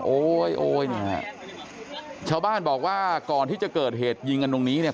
โอ๊ยโอ๊ยเนี่ยชาวบ้านบอกว่าก่อนที่จะเกิดเหตุยิงกันตรงนี้เนี่ย